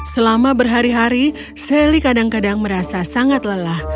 selama berhari hari sally kadang kadang merasa sangat lelah